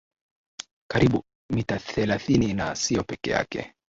karibu mita thelathini Na sio peke yake